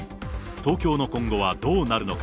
東京の今後はどうなるのか。